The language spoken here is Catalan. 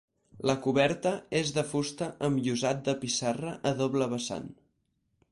La coberta és de fusta amb llosat de pissarra a doble vessant.